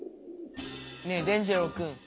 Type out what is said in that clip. ねえ伝じろうくん。